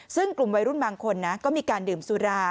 ซึ่งกลุ่มวัยรุ่นบางคนนะก็มีการดื่มสุรา